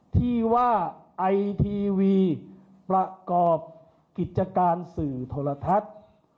ที่ว่าไอทีวีประกอบกิจการสื่อโทรทัศน์